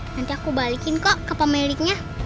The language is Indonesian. nanti aku balikin kok ke pemiliknya